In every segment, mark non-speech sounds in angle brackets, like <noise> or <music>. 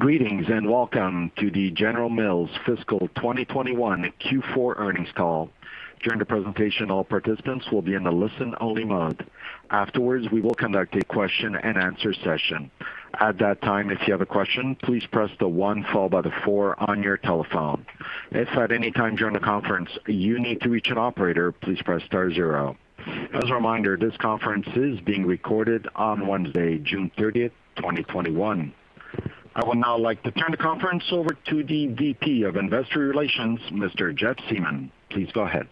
Greetings and welcome to the General Mills Fiscal 2021 Q4 Earnings Call. During the presentation, all participants will be in a listen-only mode. Afterwards, we will conduct a question-and-answer session. At that time, if you have a question, please press the one followed by the four on your telephone. If at any time during the conference you need to reach the operator, please press star zero. As a reminder, this conference is being recorded on Wednesday, June 30th, 2021. I would now like to turn the conference over to the VP of Investor Relations, Mr. Jeff Siemon. Please go ahead.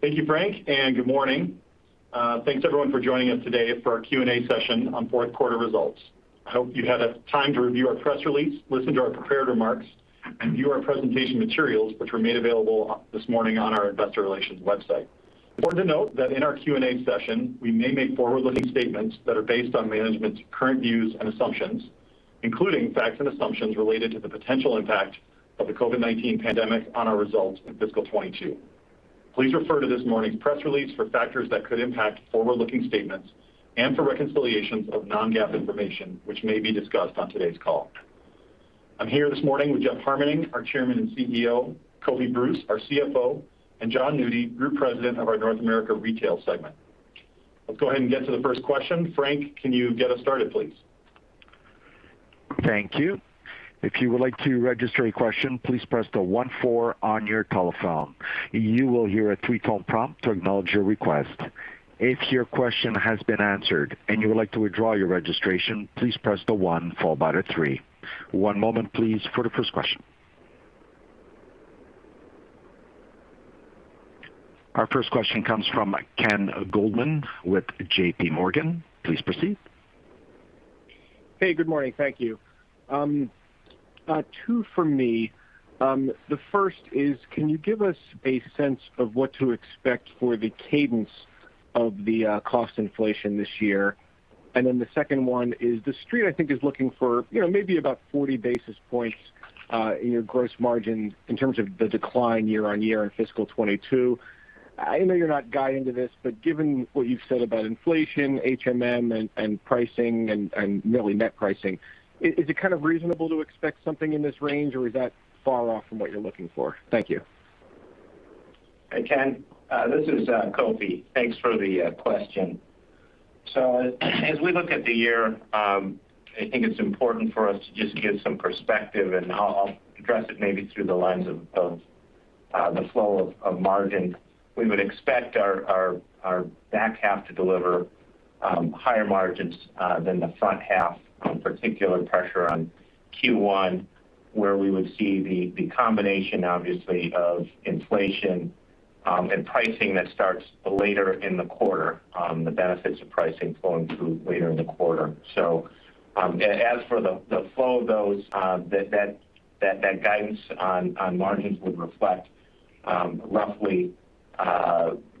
Thank you, Frank, and good morning. Thanks everyone for joining us today for our Q&A session on fourth quarter results. I hope you had time to review our press release, listen to our prepared remarks, and view our presentation materials, which were made available this morning on our investor relations website. I want to note that in our Q&A session, we may make forward-looking statements that are based on management's current views and assumptions, including facts and assumptions related to the potential impact of the COVID-19 pandemic on our results in fiscal 2022. Please refer to this morning's press release for factors that could impact forward-looking statements and for reconciliations of non-GAAP information, which may be discussed on today's call. I'm here this morning with Jeff Harmening, our Chairman and CEO, Kofi Bruce, our CFO, and Jon Nudi, Group President of our North America Retail segment. Let's go ahead and get to the first question. Frank, can you get us started, please? Thank you. If you would like to register question, please press star one four on your telephone. You will hear a three tone prompt to acknowledge your request. If your question has been answered and you would like to withdraw your registration, please press star one followed by the three. One moment please for the first question. Our first question comes from Ken Goldman with JPMorgan. Please proceed. Hey, good morning. Thank you. Two from me. The first is, can you give us a sense of what to expect for the cadence of the cost inflation this year? Then, the second one is, The Street, I think, is looking for maybe about 40 basis points in your gross margin in terms of the decline year-on-year in fiscal 2022. I know you're not guiding to this, but given what you've said about inflation, HMM, and pricing and nearly net pricing, is it kind of reasonable to expect something in this range, or is that far off from what you're looking for? Thank you. Hey, Ken. This is Kofi. Thanks for the question. As we look at the year, I think it's important for us to just give some perspective and I'll address it maybe through the lens of the flow of margin. We would expect our back half to deliver higher margins than the front half, particular pressure on Q1, where we would see the combination, obviously, of inflation and pricing that starts later in the quarter, the benefits of pricing flowing through later in the quarter. As for the flow though, that guidance on margins would reflect roughly,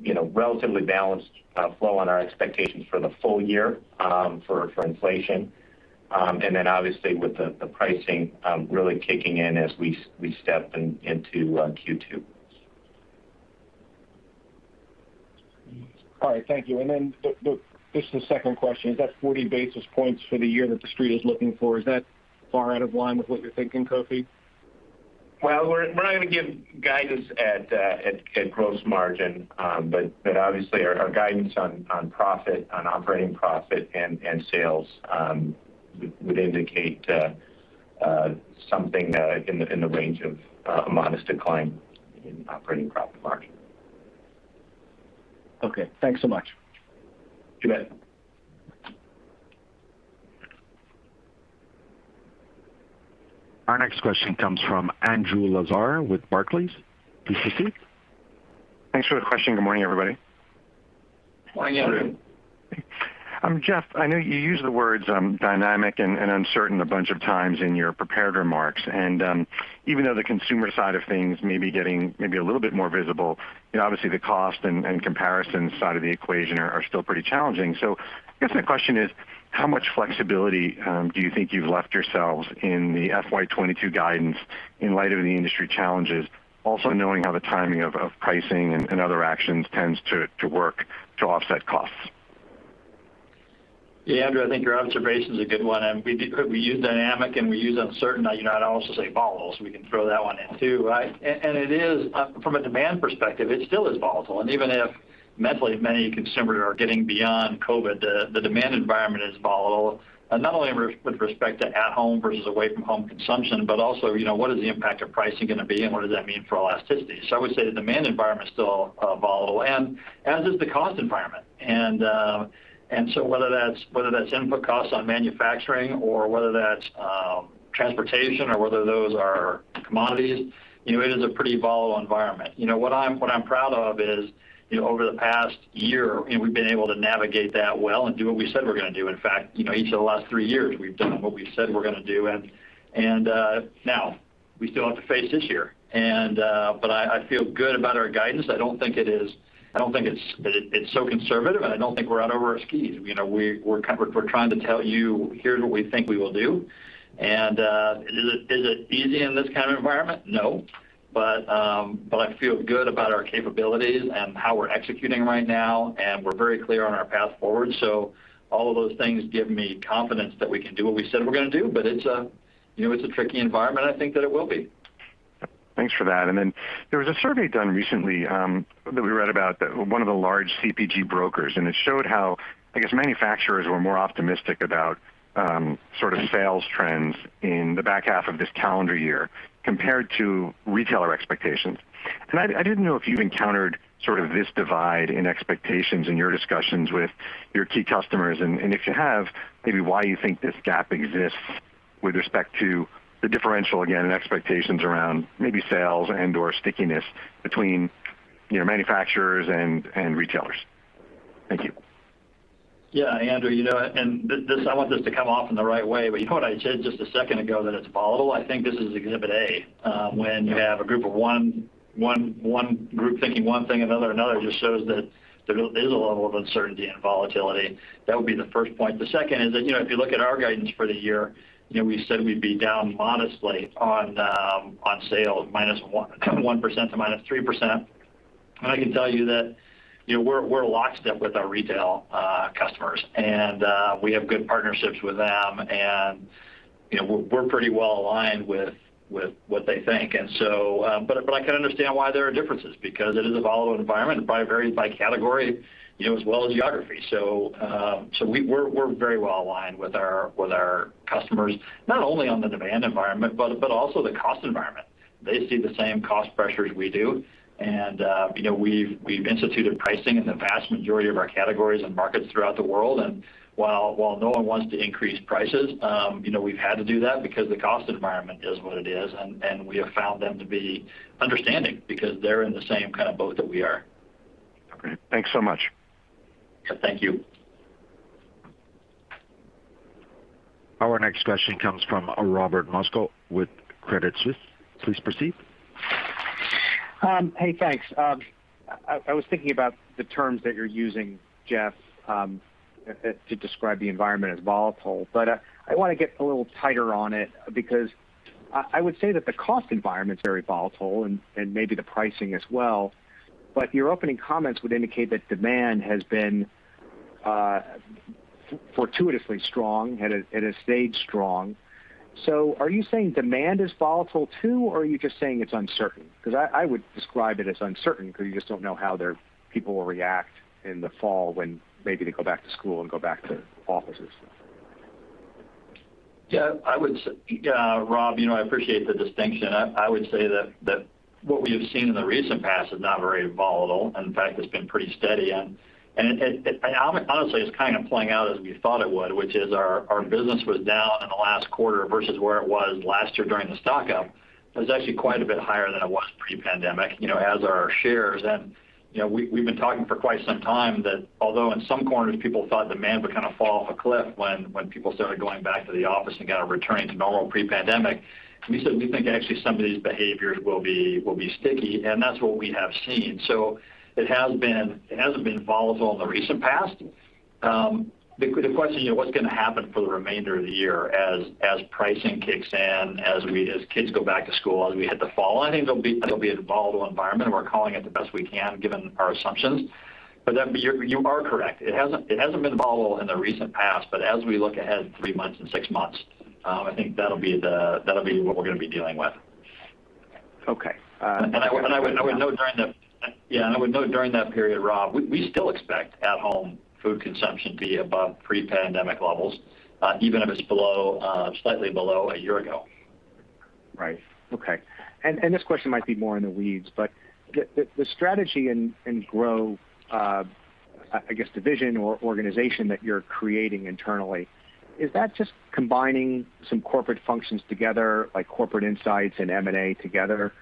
you know, a relatively balanced flow in our expectations for the full year for inflation. Then, obviously with the pricing really kicking in as we step into Q2. All right, thank you. Just the second question, is that 40 basis points for the year that The Street is looking for, is that far out of line with what you're thinking, Kofi? Well, we're not going to give guidance at gross margin. Obviously our guidance on operating profit and sales would indicate something in the range of a modest decline in operating profit margin. Okay, thanks so much. You bet. Our next question comes from Andrew Lazar with Barclays. Please proceed. Thanks for the question. Good morning, everybody. Morning, Andrew. Jeff, I know you used the words "dynamic" and "uncertain" a bunch of times in your prepared remarks. Even though the consumer side of things may be getting, maybe a little bit more visible, obviously the cost and comparison side of the equation are still pretty challenging. I guess my question is, how much flexibility do you think you've left yourselves in the FY 2022 guidance in light of the industry challenges, also knowing how the timing of pricing and other actions tends to work to offset costs? Yeah, Andrew, I think your observation is a good one. We use "dynamic" and we use "uncertain." I'd also say "volatile," we can throw that one in, too. From a demand perspective, it still is volatile. Even if mentally many consumers are getting beyond COVID, the demand environment is volatile. Not only with respect to at-home versus away-from-home consumption, but also, you know, what is the impact of pricing going to be and what does that mean for elasticity? I would say the demand environment's still volatile, and as is the cost environment. Whether that's input costs on manufacturing or whether that's transportation or whether those are commodities, it is a pretty volatile environment. What I'm proud of is over the past year, we've been able to navigate that well and do what we said we're going to do. In fact, each of the last three years, we've done what we said we're going to do. Now we still have to face this year. I feel good about our guidance. I don't think it's so conservative, and I don't think we're out over our skis. We're trying to tell you, "Here's what we think we will do." Is it easy in this kind of environment? No. I feel good about our capabilities and how we're executing right now, and we're very clear on our path forward. All of those things give me confidence that we can do what we said we're going to do, but it's a tricky environment. I think that it will be. Thanks for that. There was a survey done recently that we read about, one of the large CPG brokers, and it showed how, I guess, manufacturers were more optimistic about sort of sales trends in the back half of this calendar year compared to retailer expectations. I didn't know if you've encountered sort of this divide in expectations in your discussions with your key customers, and if you have, maybe why you think this gap exists with respect to the differential, again, expectations around maybe sales and/or stickiness between manufacturers and retailers. Thank you. Yeah. Andrew, I want this to come off in the right way, what I said just a second ago that it's volatile, I think this is Exhibit A. When you have a group of one -- one group thinking one thing, another just shows that there is a level of uncertainty and volatility. That would be the first point. The second is that, you know, if you look at our guidance for the year, we said we'd be down modestly on sales, -1% to -3%. I can tell you that we're locked up with our retail customers and we have good partnerships with them and we're pretty well aligned with what they think. I can understand why there are differences because it is a volatile environment, it probably varies by category as well as geography. We're very well aligned with our customers, not only on the demand environment, but also the cost environment. They see the same cost pressures we do, and we've instituted pricing in the vast majority of our categories and markets throughout the world. While no one wants to increase prices, you know, we've had to do that because the cost environment is what it is, and we have found them to be understanding because they're in the same kind of boat that we are. Okay. Thanks so much. Thank you. Our next question comes from Robert Moskow with Credit Suisse. Please proceed. Hey, thanks. I was thinking about the terms that you're using, Jeff, to describe the environment as volatile. I want to get a little tighter on it because I would say that the cost environment is very volatile and maybe the pricing as well, but your opening comments would indicate that demand has been fortuitously strong and has stayed strong. Are you saying demand is volatile too, or are you just saying it's uncertain? I would describe it as uncertain because you just don't know how their people will react in the fall when maybe they go back to school and go back to offices. Yeah, Rob, I appreciate the distinction. I would say that what we've seen in the recent past is not very volatile. In fact, it's been pretty steady. Honestly, it's kind of playing out as we thought it would, which is our business was down in the last quarter versus where it was last year during the stock up. It was actually quite a bit higher than it was pre-pandemic, you know, as are our shares. We've been talking for quite some time that although in some corners, people thought demand would kind of fall off a cliff when people started going back to the office and kind of returning to normal pre-pandemic, we said we think actually some of these behaviors will be sticky, and that's what we have seen. It hasn't been volatile in the recent past. The question of what's going to happen for the remainder of the year as pricing kicks in, as kids go back to school, as we hit the fall, I think it'll be a volatile environment. We're calling it the best we can, given our assumptions. You are correct. It hasn't been volatile in the recent past, but as we look ahead three months and six months, I think that'll be what we're going to be dealing with. Okay. I would note during that period, Rob, we still expect at-home food consumption to be above pre-pandemic levels, even if it's slightly below a year ago. Right. Okay. This question might be more in the weeds. The Strategy and Growth, I guess, division or organization that you're creating internally, is that just combining some corporate functions together, like corporate insights and M&A together,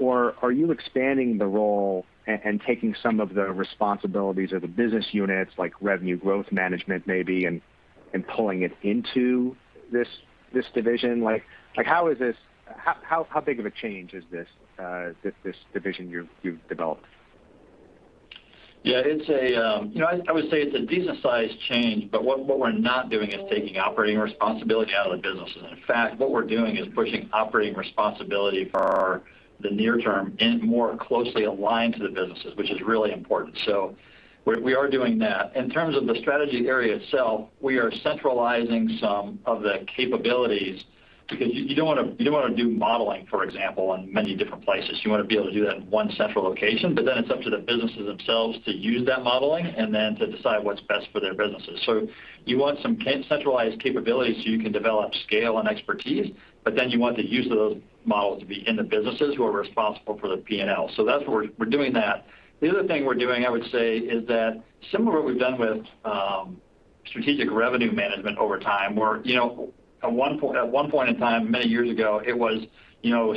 or are you expanding the role and taking some of the responsibilities of the business units, like revenue growth management maybe, and pulling it into this division? How big of a change is this division you've developed? Yeah. I would say it's a decent size change, but what we're not doing is taking operating responsibility out of the businesses. In fact, what we're doing is pushing operating responsibility for the near term and more closely aligned to the businesses, which is really important. We are doing that. In terms of the strategy area itself, we are centralizing some of the capabilities because you don't want to do modeling, for example, in many different places. You want to be able to do that in one central location, but then it's up to the businesses themselves to use that modeling and then to decide what's best for their businesses. You want some centralized capabilities so you can develop scale and expertise, but then you want the use of those models to be in the businesses who are responsible for the P&L. That's where we're doing that. The other thing we're doing, I would say, is that similar to what we've done with Strategic Revenue Management over time, where, you know, at one point in time many years ago, it was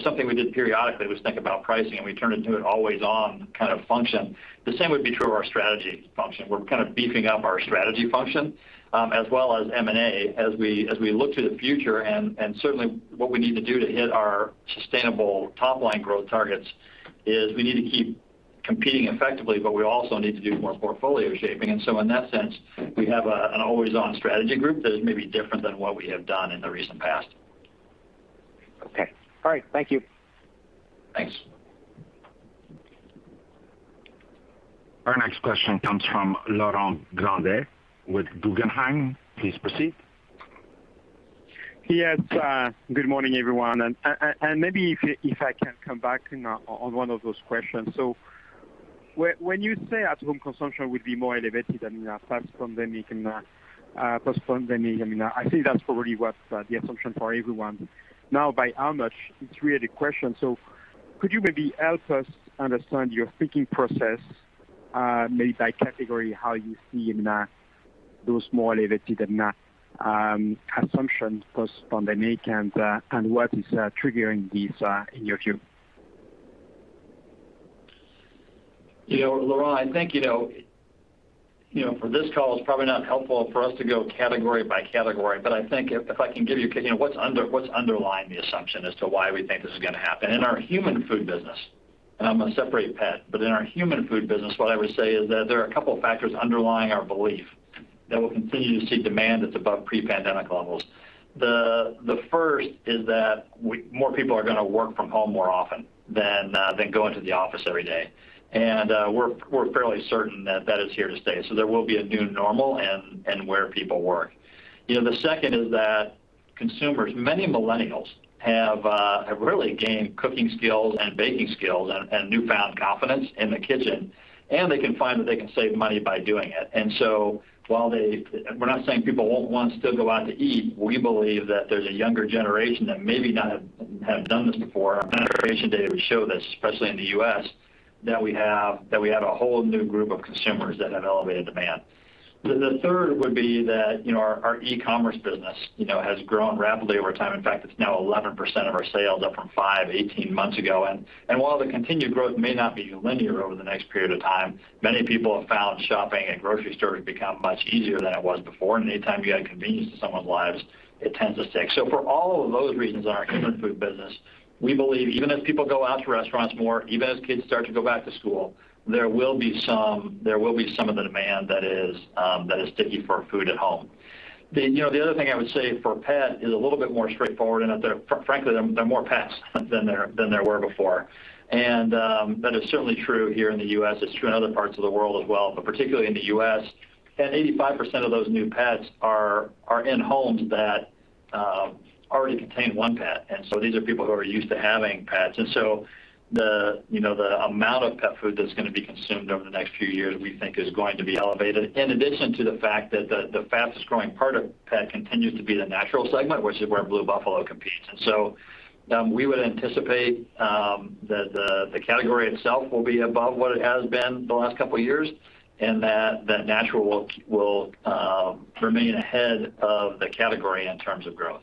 something we did periodically was think about pricing and we turned into an always-on kind of function. The same would be true of our strategy function. We're kind of beefing up our strategy function, as well as M&A as we look to the future and certainly what we need to do to hit our sustainable top-line growth targets is, we need to keep competing effectively, but we also need to do more portfolio shaping. In that sense, we have an always-on strategy group that is maybe different than what we have done in the recent past. Okay. All right. Thank you. Thanks. Our next question comes from Laurent Grandet with Guggenheim. Please proceed. Yeah. Good morning, everyone. Maybe if I can come back on one of those questions. When you say at-home consumption will be more elevated than post-pandemic, I think that's probably what the assumption for everyone. Now by how much? It's really the question. Could you maybe help us understand your thinking process, maybe by category, how you see those more elevated than consumption post-pandemic, and what is triggering these in your view? Laurent, I think, for this call, it's probably not helpful for us to go category by category, but I think if I can give you an opinion what's underlying the assumption as to why we think this is going to happen. In our human food business, and I'm going to separate pet, but in our human food business, what I would say is that there are a couple of factors underlying our belief that we'll continue to see demand that's above pre-pandemic levels. The first is that more people are going to work from home more often than going to the office every day. We're fairly certain that that is here to stay. There will be a new normal and where people work. The second is that consumers, many millennials, have really gained cooking skills and baking skills and a newfound confidence in the kitchen, and they can find that they can save money by doing it. We're not saying people won't want to still go out to eat. We believe that there's a younger generation that maybe haven't done this before. Our innovation data would show this, especially in the U.S., that we have a whole new group of consumers that have elevated demand. The third would be that, you know, our e-commerce business has grown rapidly over time. In fact, it's now 11% of our sales up from 5% 18 months ago. While the continued growth may not be linear over the next period of time, many people have found shopping in grocery stores to become much easier than it was before. Anytime you add convenience to someone's lives, it tends to stick. For all of those reasons in our human food business, we believe even if people go out to restaurants more, even as kids start to go back to school, there will be some of the demand that is sticky for food at home. The other thing I would say for pet is a little bit more straightforward in that, frankly, there are more pets than there were before. That is certainly true here in the U.S. It's true in other parts of the world as well. Particularly in the U.S., about 85% of those new pets are in homes that already contain one pet. These are people who are used to having pets. The amount of pet food that's going to be consumed over the next few years, we think is going to be elevated. In addition to the fact that the fastest-growing part of pet continues to be the natural segment, which is where Blue Buffalo competes. We would anticipate that the category itself will be above what it has been the last couple of years, and that natural will remain ahead of the category in terms of growth.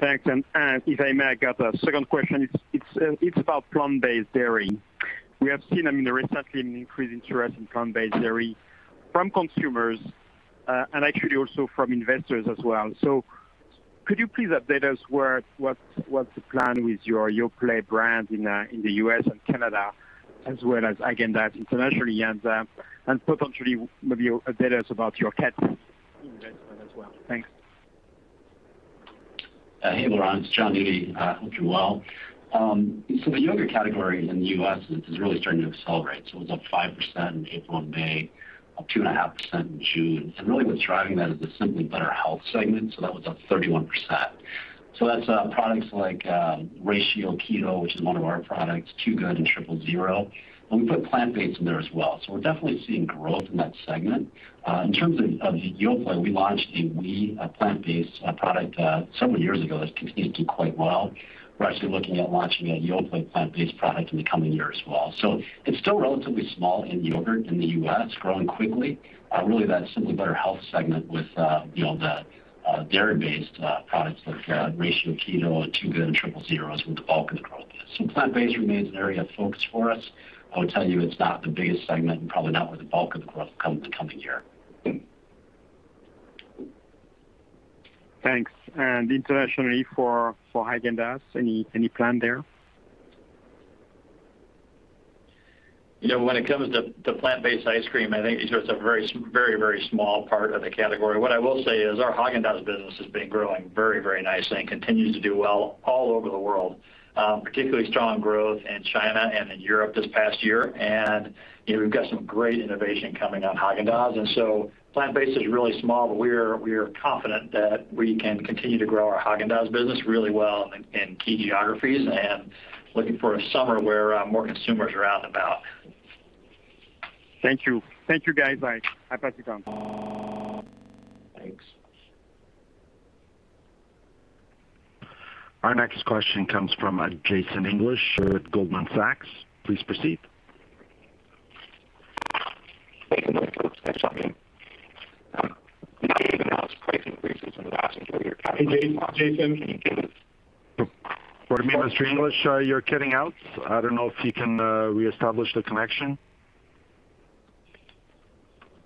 Thanks. If I may, I got the second question. It's about plant-based dairy. We have seen recently an increased interest in plant-based dairy from consumers and actually also from investors as well. Could you please update us what's the plan with your Yoplait brand in the U.S. and Canada, as well as Häagen-Dazs internationally, and potentially maybe update us about your pet investment as well? Thanks. Hey, Laurent. It's Jon Nudi. Hope you're well. The yogurt category in the U.S. is really starting to accelerate. It was up 5% in April and May, up 2.5% in June. Really what's driving that is the simply better health segment. That was up 31%. That's products like :ratio KETO, which is one of our products, Two Good and Triple Zero, and we put plant-based in there as well. We're definitely seeing growth in that segment. In terms of Yoplait, we launched a Oui plant-based product several years ago that continues to do quite well. We're actually looking at launching a Yoplait plant-based product in the coming year as well. It's still relatively small in yogurt in the U.S., growing quickly, really that simply better health segment with the dairy-based products like :ratio KETO, Two Good and Triple Zero has been the bulk of the growth. Plant-based remains an area of focus for us. I would tell you it's not the biggest segment and probably not will be the bulk of the growth coming year. Thanks. Internationally for Häagen-Dazs, any plan there? When it comes to plant-based ice cream, I think it's a very small part of the category. What I will say is our Häagen-Dazs business has been growing very nicely and continues to do well all over the world, particularly strong growth in China and in Europe this past year. We've got some great innovation coming on Häagen-Dazs. Plant-based is really small. We are confident that we can continue to grow our Häagen-Dazs business really well in key geographies and looking for a summer where more consumers are out and about. Thank you. Thank you, guys. Bye. I'll pass it on. Thanks. Our next question comes from Jason English with Goldman Sachs. Please proceed. Jason English with Goldman. Not hearing you now. It's breaking up recently the last few minutes. Jason, can you hear me? Mr. English, you're cutting out. I don't know if you can reestablish the connection.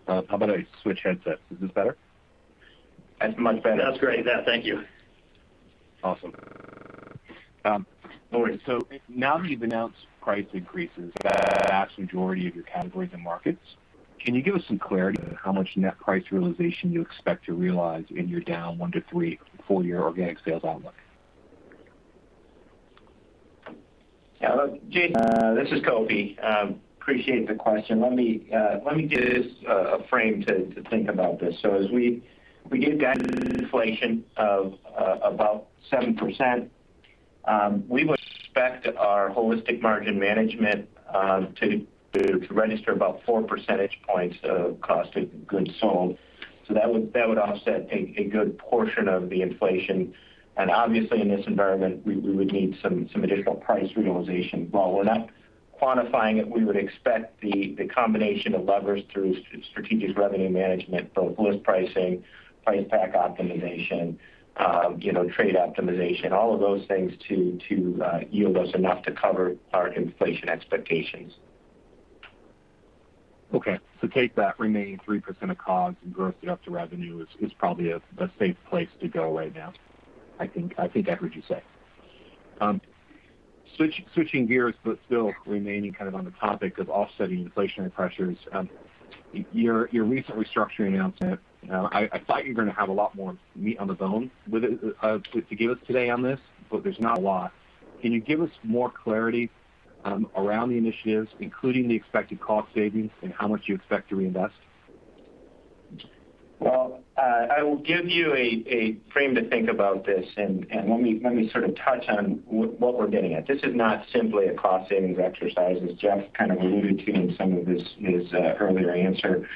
How about I switch headsets? Is this better? Much better. That's great. Thank you. Awesome. No worries. Now that you've announced price increases, the vast majority of your categories and markets, can you give us some clarity on how much net price realization you expect to realize in your down 1-3 full year organic sales online? Yeah. Look, Jason, this is Kofi. Appreciate the question. Let me give you this frame to think about this. As we begin to get inflation of about 7%, we would expect our Holistic Margin Management to register about 4 percentage points of cost of goods sold. That would offset a good portion of the inflation. Obviously, in this environment, we would need some additional price realization. While we're not quantifying it, we would expect the combination of levers through Strategic Revenue Management, both list pricing, price pack optimization, trade optimization, all of those things to yield us enough to cover our inflation expectations. Okay. Take that remaining 3% of COGS and gross it up to revenue is probably a safe place to go right now. I think I heard you say. Switching gears, but still remaining on the topic of offsetting inflationary pressures. Your recent restructuring announcement, I thought you were going to have a lot more meat on the bone to give us today on this, but there's not a lot. Can you give us more clarity around the initiatives, including the expected cost savings and how much you expect to reinvest? Well, I will give you a frame to think about this, and let me sort of touch on what we're getting at. This is not simply a cost-savings exercise, as Jeff kind of alluded to in some of his earlier answer.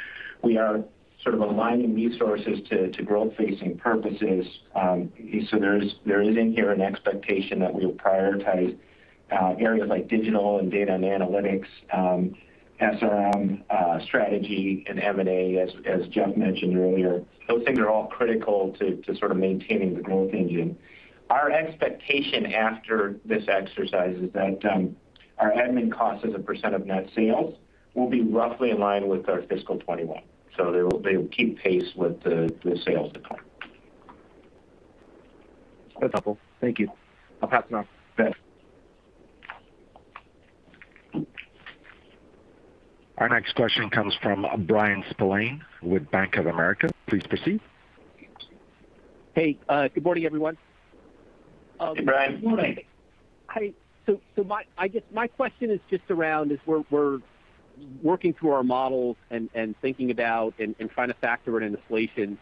We are sort of aligning resources to growth-facing purposes. There isn't in here an expectation that we will prioritize areas like digital and data and analytics, SRM strategy, and M&A, as Jeff mentioned earlier. Those things are all critical to sort of maintaining the growth engine. Our expectation after this exercise is that our admin cost as a percent of net sales will be roughly in line with our fiscal 2021. They will keep pace with the sales decline. That's helpful. Thank you. I'll pass it off to Ben. Our next question comes from Bryan Spillane with Bank of America. Please proceed. Hey, good morning, everyone. Hey, Bryan. Hi. My question is just around as we're working through our models and thinking about and trying to factor in inflation.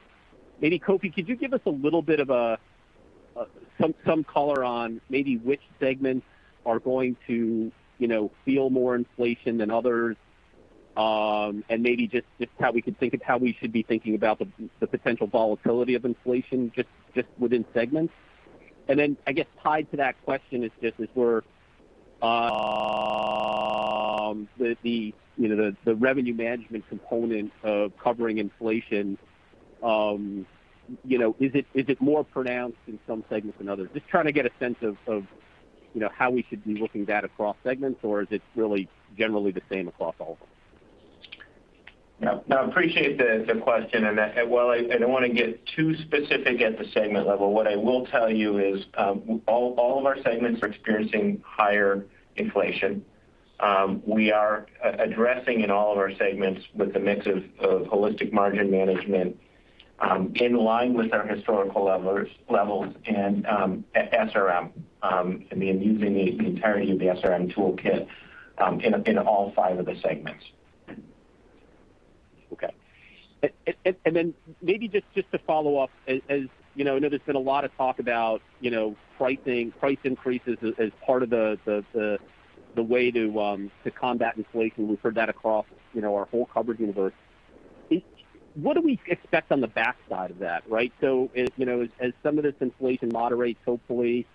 Maybe Kofi, could you give us a little bit of some color on maybe which segments are going to, you know, feel more inflation than others? Maybe just how we should be thinking about the potential volatility of inflation just within segments. Then, I guess tied to that question is just as we're the revenue management component of covering inflation. Is it more pronounced in some segments than others? Just trying to get a sense of, you know, how we should be looking at that across segments, or is it really generally the same across all of them? Yeah. No, appreciate the question. While I don't want to get too specific at the segment level, what I will tell you is all of our segments are experiencing higher inflation. We are addressing in all of our segments with a mix of Holistic Margin Management in line with our historical levels and SRM and using the entirety of the SRM toolkit in all five of the segments. Okay. Then maybe just to follow up, I know there's been a lot of talk about price increases as part of the way to combat inflation. We've heard that across our whole coverage universe. What do we expect on the backside of that, right? As some of this inflation moderates, hopefully,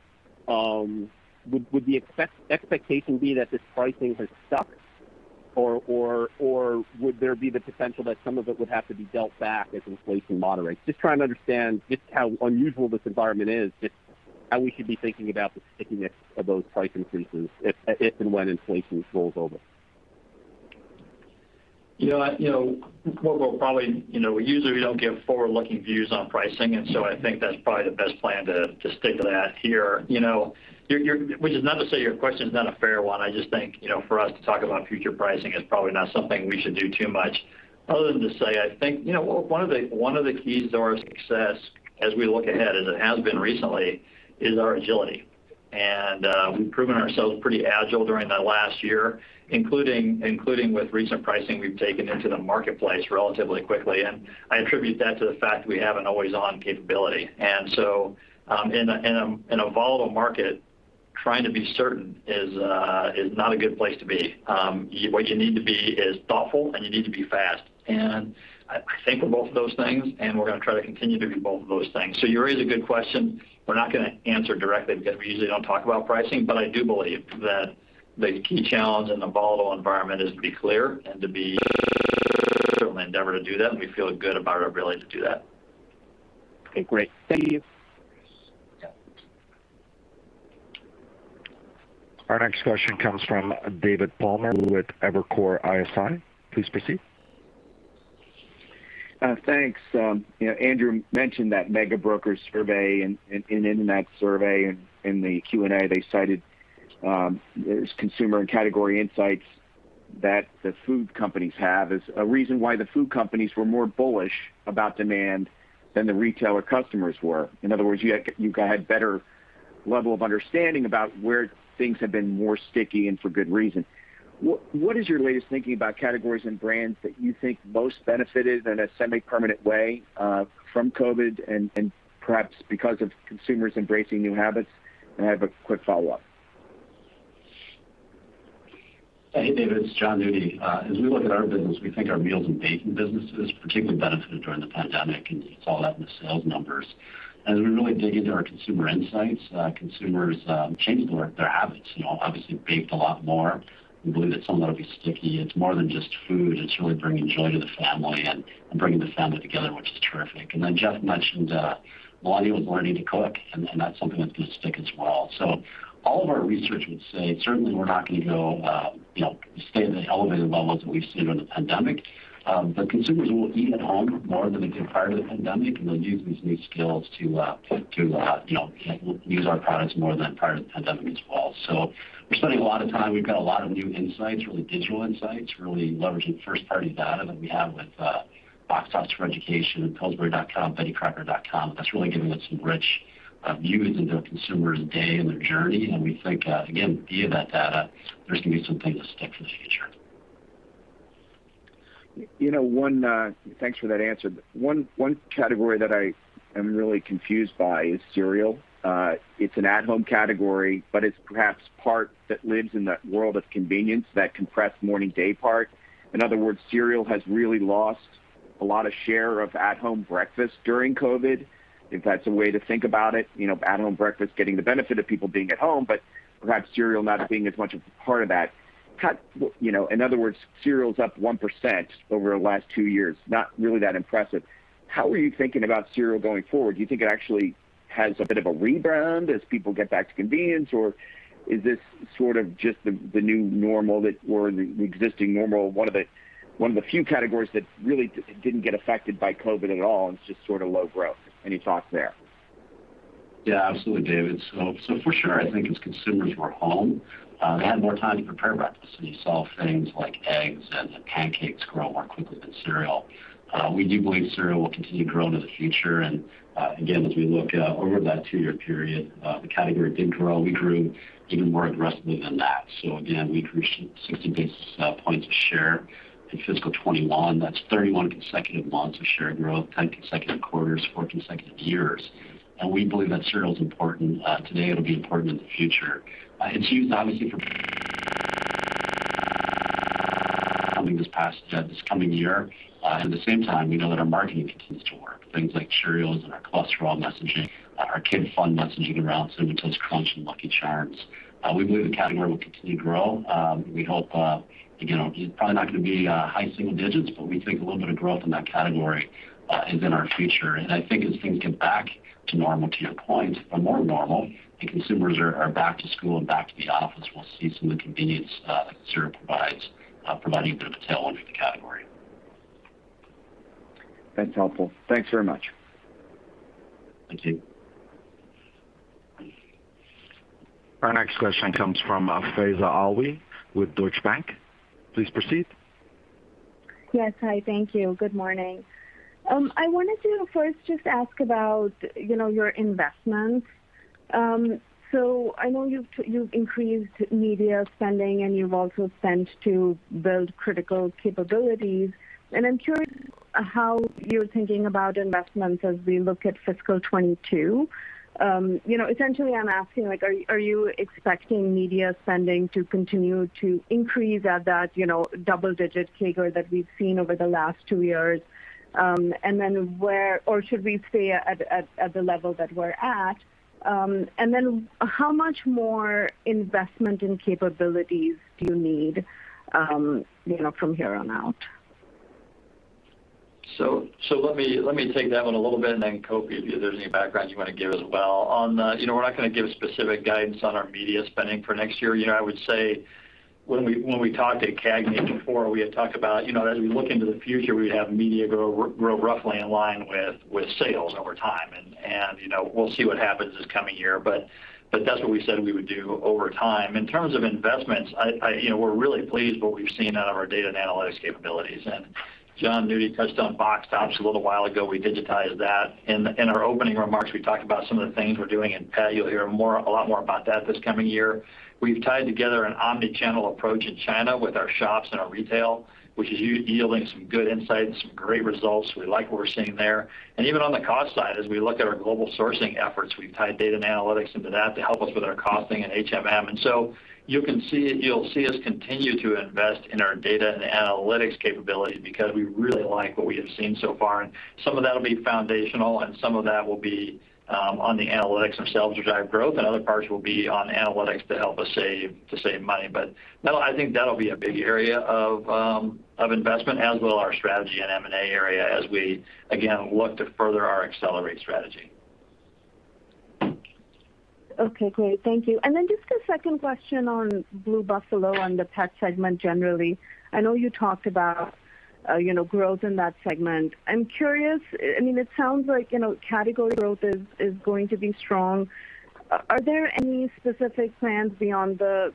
would the expectation be that the pricing is stuck? Or would there be the potential that some of it would have to be dealt back as inflation moderates? Just trying to understand just how unusual this environment is, just how we should be thinking about the stickiness of those price increases, if and when inflation rolls over. We'll probably -- we usually don't give forward-looking views on pricing, I think that's probably the best plan to stick to that here. Which is not to say your question's not a fair one. I just think, for us to talk about future pricing is probably not something we should do too much. Other than to say, I think one of the keys to our success as we look ahead, and has been recently, is our agility. We've proven ourselves pretty agile during the last year, including with recent pricing we've taken into the marketplace relatively quickly. I attribute that to the fact we have an always-on capability. In a volatile market, trying to be certain is not a good place to be. What you need to be is thoughtful, and you need to be fast. I think we're both of those things, and we're going to try to continue to be both of those things. You raised a good question. We're not going to answer directly because we usually don't talk about pricing, but I do believe that the key challenge in a volatile environment is to be clear and to be endeavor to do that, and we feel good about our ability to do that. Okay, great. Thank you. Our next question comes from David Palmer with Evercore ISI. Please proceed. Thanks. Andrew mentioned that mega broker survey, and in that survey, in the Q&A, they cited those consumer and category insights that the food companies have as a reason why the food companies were more bullish about demand than the retailer customers were. In other words, you've got a better level of understanding about where things have been more sticky and for good reason. What is your latest thinking about categories and brands that you think most benefited in a semi-permanent way from COVID, and perhaps because of consumers embracing new habits? I have a quick follow-up. Hey, David, it's Jon Nudi. As we look at our business, we think our meals and baking businesses particularly benefited during the pandemic, and you saw that with sales numbers. As we really dig into our consumer insights, consumers changed their habits. Obviously, baked a lot more. We believe that some of that'll be sticky. It's more than just food. It's really bringing joy to the family and bringing the family together, which is terrific. Jeff mentioned volumes of learning to cook, and that's something that could stick as well. All of our research would say certainly we're not going to stay at the elevated levels that we've seen in the pandemic, but consumers will eat at home more than they did prior to the pandemic, and they'll use these new skills to use our products more than prior to the pandemic as well. We're spending a lot of time. We've got a lot of new insights, really digital insights to really leverage the first-party data that we have with Box Tops for Education and pillsbury.com, bettycrocker.com. That's really giving us some rich views into consumers' day and their journey. We think, again, via that data, there's going to be some things that stick in the future. Thanks for that answer. One category that I am really confused by is cereal. It's an at-home category, but it's perhaps part that lives in that world of convenience, that compressed morning day part. In other words, cereal has really lost a lot of share of at-home breakfast during COVID, if that's a way to think about it. At-home breakfast getting the benefit of people being at home, but perhaps cereal not being as much of a part of that. In other words, cereal's up 1% over the last two years. Not really that impressive. How are you thinking about cereal going forward? Do you think it actually has a bit of a rebound as people get back to convenience, or is this sort of just the new normal or the existing normal, one of the few categories that really didn't get affected by COVID at all and is just sort of low growth? Any thoughts there? Yeah, absolutely, David. For sure, I think as consumers were home, they had more time to prepare breakfast. You saw things like eggs and pancakes grow more quickly than cereal. We do believe cereal will continue to grow into the future. Again, as we look over that two-year period, the category did grow. We grew even more aggressively than that. Again, we increased 60 basis points of share in fiscal 2021. That's 31 consecutive months of share growth, 10 consecutive quarters, four consecutive years. We believe that cereal's important today and will be important in the future. It's used obviously <inaudible> this coming year. At the same time, we know that our marketing continues to work. Things like Cheerios and our cholesterol messaging, our kid fun messaging around Cinnamon Toast Crunch and Lucky Charms. We believe the category will continue to grow. It's probably not going to be high single digits, but we think a little bit of growth in that category is in our future. I think as things get back to normal, to your point, a more normal, as consumers are back to school and back to the office, we'll see some of the convenience that cereal provides for that even to tail in the category. That's helpful. Thanks very much. Thank you. Our next question comes from Faiza Alwy with Deutsche Bank. Please proceed. Yes. Hi. Thank you. Good morning. I wanted to first just ask about your investments. I know you've increased media spending, and you've also spent to build critical capabilities, and I'm curious how you're thinking about investments as we look at fiscal 2022. Essentially, I'm asking, are you expecting media spending to continue to increase at that double-digit CAGR that we've seen over the last two years? Should we stay at the level that we're at? How much more investment in capabilities do you need from here on out? Let me take that one a little bit and then, Kofi, if there's any background you want to give as well. We're not going to give specific guidance on our media spending for next year. I would say when we talked at CAGNY Q4, we had talked about as we look into the future, we have media grow roughly in line with sales over time. We'll see what happens this coming year, but that's what we said we would do over time. In terms of investments, we're really pleased what we've seen out of our data and analytics capabilities. Jon Nudi touched on Box Tops a little while ago. We digitized that. In our opening remarks, we talked about some of the things we're doing in pet. You'll hear a lot more about that this coming year. We've tied together an omni-channel approach in China with our shops and our retail, which is yielding some good insights, some great results. We like what we're seeing there. Even on the cost side, as we look at our global sourcing efforts, we've tied data and analytics into that to help us with our costing and HMM. So you'll see us continue to invest in our data and analytics capability because we really like what we have seen so far. Some of that will be foundational, and some of that will be on the analytics themselves to driven growth, and other parts will be on analytics to help us save money. No, I think that'll be a big area of investment, as will our strategy in M&A area as we, again, look to further our accelerate strategy. Okay, great. Thank you. Just a second question on Blue Buffalo and the pet segment generally. I know you talked about, you know, growth in that segment. I'm curious, it sounds like category growth is going to be strong. Are there any specific plans beyond the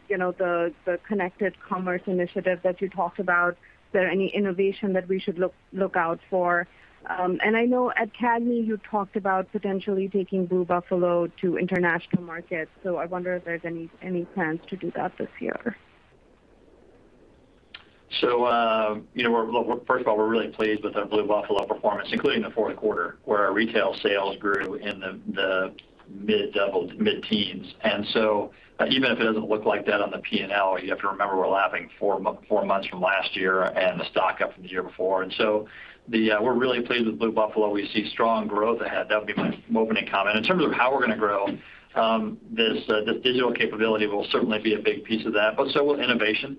connected commerce initiative that you talked about? Is there any innovation that we should look out for? I know at CAGNY, you talked about potentially taking Blue Buffalo to international markets. I wonder if there's any plans to do that this year. First of all, we're really pleased with the Blue Buffalo performance, including the fourth quarter, where our retail sales grew in the mid-teens. Even if it doesn't look like that on the P&L, you have to remember we're lapping 4 months from last year and a stock up from year 4. We're really pleased with Blue Buffalo. We see strong growth ahead. That would be my opening comment. In terms of how we're going to grow, this digital capability will certainly be a big piece of that, but so will innovation.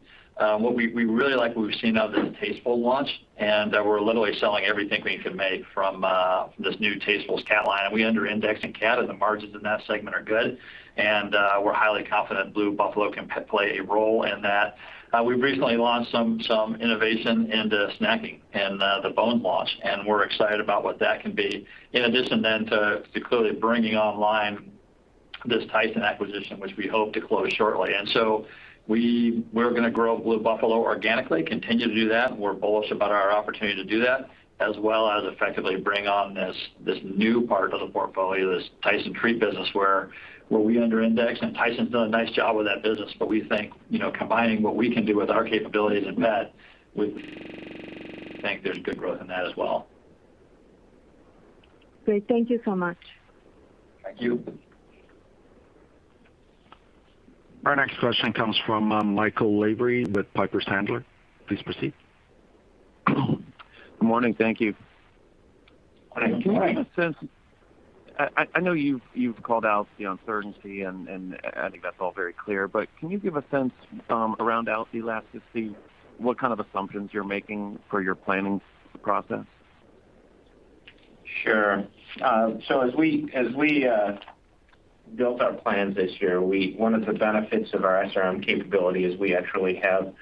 We really like what we've seen out of the Tasteful launch, and we're literally selling everything we can make from this new Tastefuls cat line. We under-indexed in cat and the margins in that segment are good, and we're highly confident Blue Buffalo can play a role in that. We've recently launched some innovation into snacking and the bones launch and we're excited about what that can be. In addition to clearly bringing online this Tyson acquisition, which we hope to close shortly. We're going to grow Blue Buffalo organically, continue to do that. We're bullish about our opportunity to do that, as well as effectively bring on this new part of the portfolio, this Tyson treat business, where we under-indexed. Tyson's doing a nice job with that business. We think, you know, combining what we can do with our capabilities in that, we think there's good growth in that as well. Great. Thank you so much. Thank you. Our next question comes from Michael Lavery with Piper Sandler. Please proceed. Good morning. Thank you. Good morning. I know you've called out the uncertainty, and I think that's all very clear, but can you give a sense around elasticity, what kind of assumptions you're making for your planning process? Sure. As we built our plans this year, one of the benefits of our SRM capability is we actually have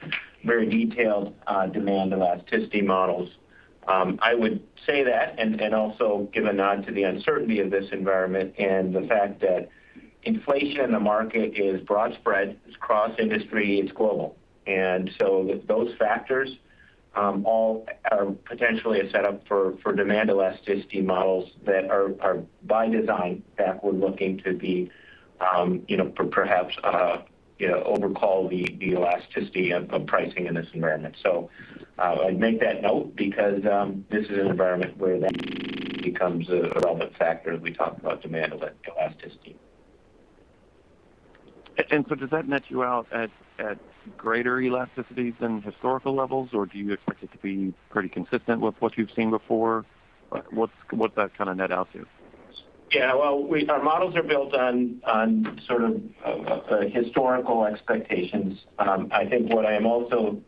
very detailed demand and elasticity models. I would say that, also give a nod to the uncertainty of this environment and the fact that inflation in the market is broad spread, it's cross-industry, it's global. Those factors all potentially are set up for demand elasticity models that are by design backward-looking to perhaps overcall the elasticity of pricing in this environment. I'd make that note because this is an environment where that becomes a relevant factor as we talk about demand elasticity. Does that net you out at greater elasticities than historical levels, or do you expect it to be pretty consistent with what you've seen before? What's that net out to? Yeah. Well, our models are built on sort of historical expectations. I think what I'm also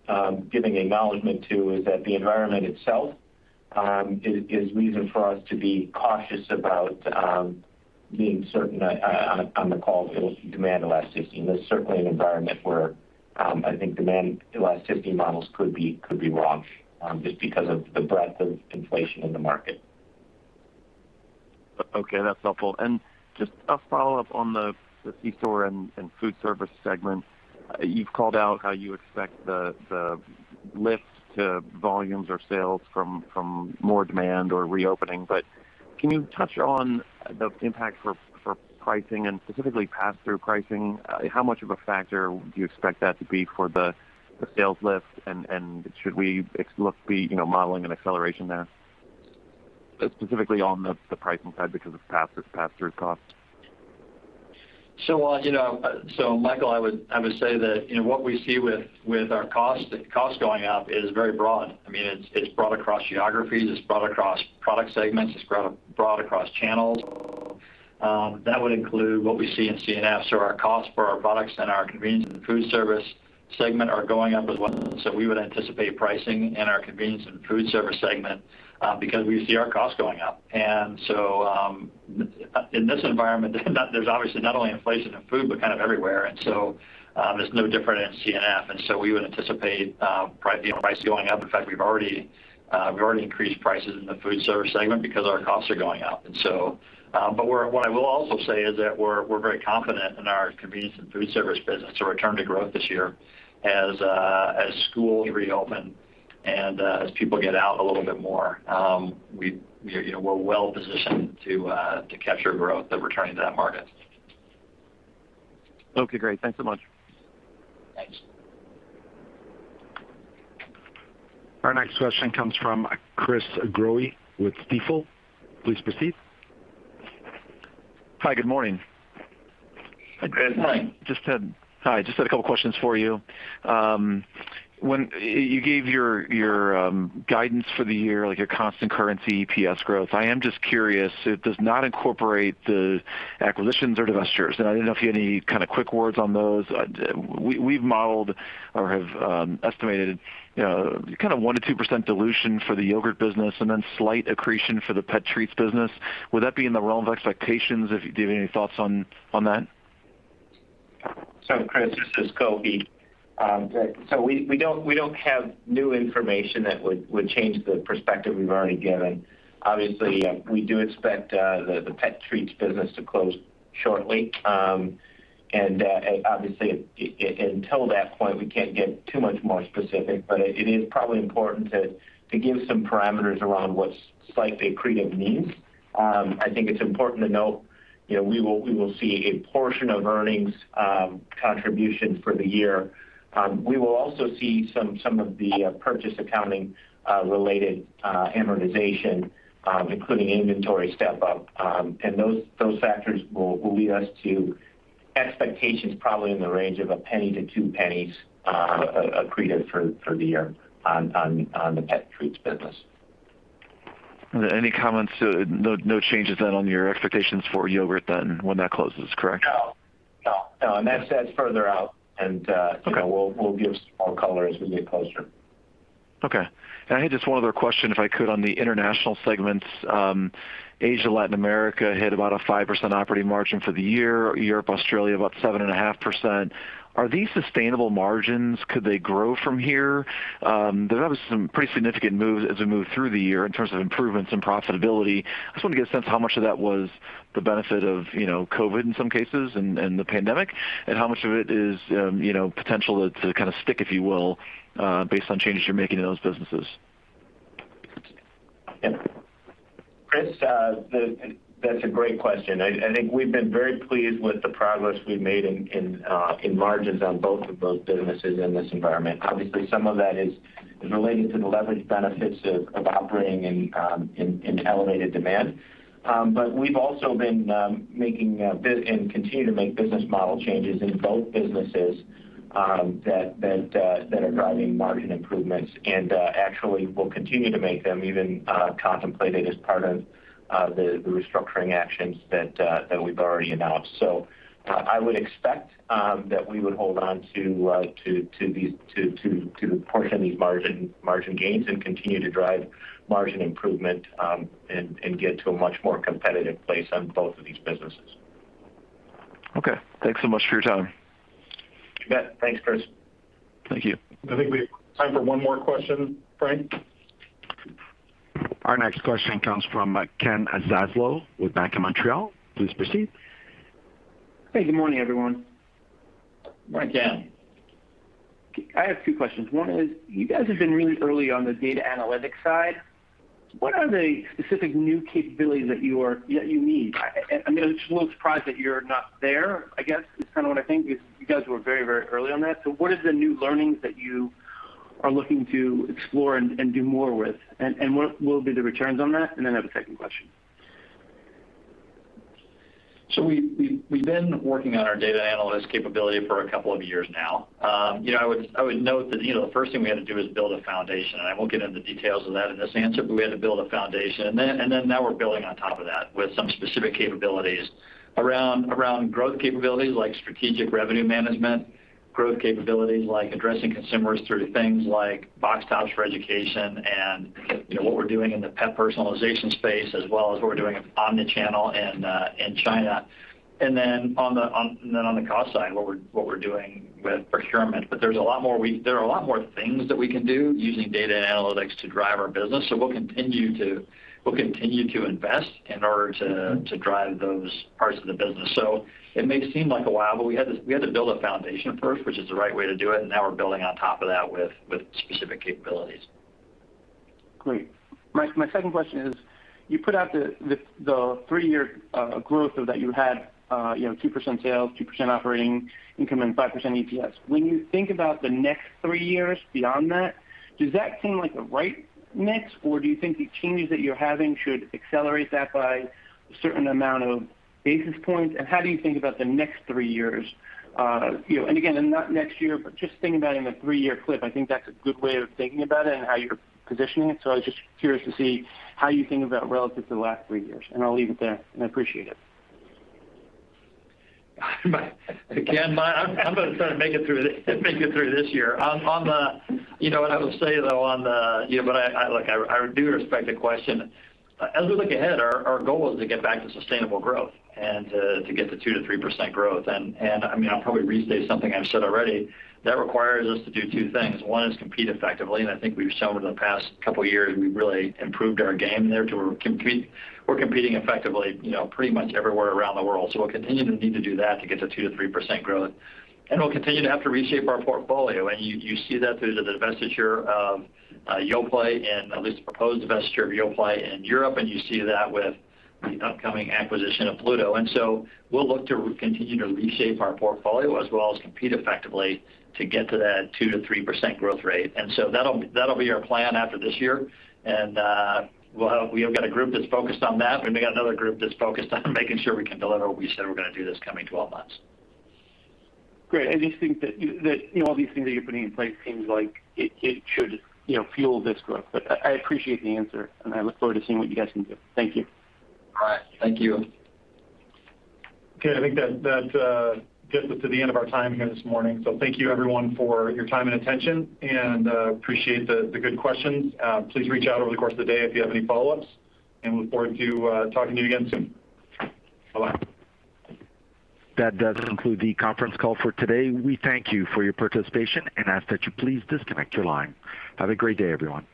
giving acknowledgement to is that the environment itself is reason for us to be cautious about being certain on the call for demand elasticity. It's certainly an environment where I think demand elasticity models could be wrong, just because of the breadth of inflation in the market. Okay, that's helpful. Just a follow-up on the C-store and food service segment. You've called out how you expect the lift to volumes or sales from more demand or reopening, but can you touch on the impact for pricing and specifically pass-through pricing? How much of a factor do you expect that to be for the sales lift, should we look the modeling an acceleration there, specifically on the pricing side because of pass-through costs? Michael, I would say that what we see with our cost going up is very broad. It's broad across geographies, it's broad across product segments, it's broad across channels. That would include what we see in C&F. Our cost for our products in our convenience and food service segment are going up as well. We would anticipate pricing in our convenience and food service segment because we see our costs going up. In this environment, there's obviously not only inflation in food, but kind of everywhere, and so there's no different in C&F. We would anticipate probably price going up. In fact, we've already increased prices in the food service segment because our costs are going up. What I will also say is that we're very confident in our Convenience and Food Service Business to return to growth this year as schools reopen and as people get out a little bit more. We're well-positioned to capture growth that we're seeing in that market. Okay, great. Thanks so much. Thanks. Our next question comes from Chris Growe with Stifel. Please proceed. Hi, good morning. Hi, Chris. Hi, just a couple questions for you. When you gave your guidance for the year, like your constant currency EPS growth, I am just curious, it does not incorporate the acquisitions or divestitures. I don't know if you have any quick words on those. We've modeled or have estimated kind of 1%-2% dilution for the yogurt business and then slight accretion for the pet treats business. Would that be in the realm of expectations, if you have any thoughts on that? Chris, this is Kofi. We don't have new information that would change the perspective we've already given. Obviously, we do expect the Pet Treats business to close shortly. Obviously, until that point, we can't get too much more specific, but it is probably important to give some parameters around what slightly accretive means. I think it's important to note, we will see a portion of earnings contribution for the year. We will also see some of the purchase accounting related amortization, including inventory step-up. Those factors will lead us to expectations probably in the range of $0.01-$0.02 accretive for the year on the Pet Treats business. No changes then on your expectations for yogurt then when that closes, correct? No. That's further out. Okay We'll give some more color as we get closer. Okay. I had just one other question, if I could, on the international segments. Asia, Latin America hit about a 5% operating margin for the year. Europe, Australia, about 7.5%. Are these sustainable margins? Could they grow from here? There was some pretty significant moves as we moved through the year in terms of improvements in profitability. Just want to get a sense how much of that was the benefit of COVID-19 in some cases and the pandemic, and how much of it is potential to kind of stick, if you will, based on changes you're making in those businesses. Chris, that's a great question. I think we've been very pleased with the progress we've made in margins on both of those businesses in this environment. Obviously, some of that is related to the leverage benefits of operating in elevated demand. We've also been making and continue to make business model changes in both businesses that are driving margin improvements and actually will continue to make them even contemplated as part of the restructuring actions that we've already announced. I would expect that we would hold on to a portion of these margin gains and continue to drive margin improvement, and get to a much more competitive place on both of these businesses. Okay. Thanks so much for your time. You bet. Thanks, Chris. Thank you. I think we have time for one more question, Frank. Our next question comes from Ken Zaslow with Bank of Montreal. Please proceed. Hey, good morning, everyone. Morning, Ken. I have two questions. One is, you guys have been really early on the data analytics side. What are the specific new capabilities that you need? I mean, I'm just a little surprised that you're not there, I guess, is kind of what I think, because you guys were very early on that. What are the new learnings that you are looking to explore and do more with? What will be the returns on that? and then I have a second question. We've been working on our data analytics capability for a couple of years now. I would note that the first thing we had to do is build a foundation, and I won't get into the details of that in this answer, but we had to build a foundation. Now we're building on top of that with some specific capabilities around growth capabilities like Strategic Revenue Management, growth capabilities like addressing consumers through things like Box Tops for Education and what we're doing in the pet personalization space, as well as what we're doing in omnichannel in China. On the cost side, what we're doing with procurement. There are a lot more things that we can do using data analytics to drive our business. We'll continue to invest in order to drive those parts of the business. It may seem like a while, but we had to build a foundation first, which is the right way to do it, and now we're building on top of that with specific capabilities. Great. My second question is, you put out the three-year growth that you had 2% sales, 2% operating income, and 5% EPS. When you think about the next three years, beyond that, does that seem like the right mix, or do you think the changes that you're having should accelerate that by a certain amount of basis points? How do you think about the next three years? Again, not next year, but just thinking about it in a three-year clip, I think that's a good way of thinking about it and how you're positioning it. I'm just curious to see how you think of that relative to the last three years. I'll leave it there and appreciate it. Ken, I'm going to try to make it through this year. I have to say, though, I do respect the question. As we look ahead, our goal is to get back to sustainable growth and to get to 2%-3% growth. I'll probably restate something I've said already. That requires us to do two things. One is compete effectively, and I think we've shown over the past couple of years, we've really improved our game there to compete. We're competing effectively pretty much everywhere around the world. We'll continue to need to do that to get to 2%-3% growth. We'll continue to have to reshape our portfolio. You see that through the divestiture of Yoplait and at least proposed divestiture of Yoplait in Europe, and you see that with the upcoming acquisition of [Pluto]. We'll look to continue to reshape our portfolio as well as compete effectively to get to that 2%-3% growth rate. That'll be our plan after this year. We've got a group that's focused on that. We've got another group that's focused on making sure we can deliver what we said we're going to do this coming 12 months. Great. I just think that all these things that you're putting in place seems like it should fuel this growth. I appreciate the answer, and I look forward to seeing what you guys can do. Thank you. All right. Thank you. Okay, I think that gets us to the end of our time here this morning. Thank you everyone for your time and attention and appreciate the good questions. Please reach out over the course of the day if you have any follow-ups, and look forward to talking to you again soon. Bye-bye. That does conclude the conference call for today. We thank you for your participation and ask that you please disconnect your line. Have a great day, everyone.